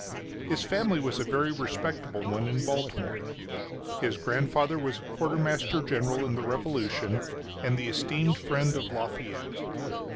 His family was a very respectable one in Baltimore. His grandfather was a Quartermaster General in the Revolution, and the esteemed friend of Lafayette.